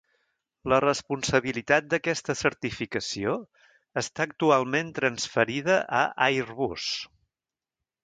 La responsabilitat d'aquesta certificació està actualment transferida a Airbus.